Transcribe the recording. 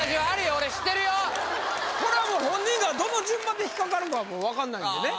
これはもう本人がどの順番で引っかかるかは分かんないんでね